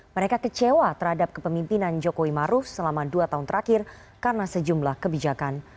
mereka kecewa terhadap kepemimpinan jokowi maruf selama dua tahun terakhir karena sejumlah kebijakan